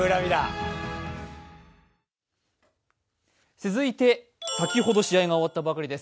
続いて、先ほど試合が終わったばかりです。